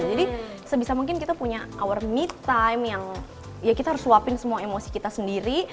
jadi sebisa mungkin kita punya our me time yang ya kita harus suapin semua emosi kita sendiri